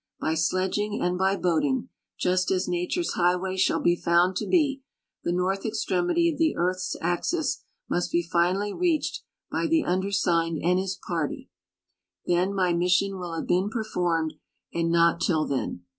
By sledging and by boating— just as nature's highway shall be found to be — tlie north e.xtremity of the earth's axis must be finally reached by the undersigned and his party ; then my mi.ssion will have been i)erformed, and not till then.